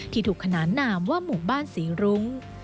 ที่ถูกขนานนามว่าหมู่บ้านสีหลุง